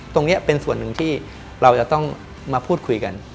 ตรงนี้เป็นส่วนหนึ่งที่เราจะต้องมาพูดคุยกัน